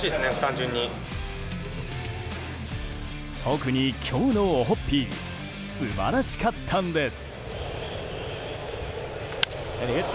特に、今日のオホッピー素晴らしかったんです！